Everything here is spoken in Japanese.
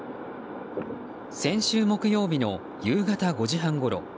先週木曜日の夕方５時半ごろ